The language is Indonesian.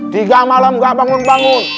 setahun engkau bangun bangun